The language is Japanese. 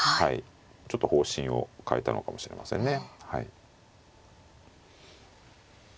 ちょっと方針を変えたのかもしれませんね。